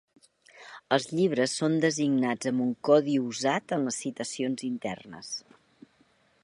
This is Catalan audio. Els llibres són designats amb un codi usat en les citacions internes.